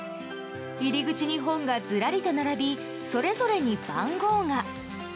入り口に本がずらりと並びそれぞれに番号が。